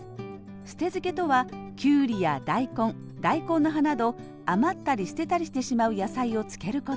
捨て漬けとはきゅうりや大根大根の葉など余ったり捨てたりしてしまう野菜を漬けること。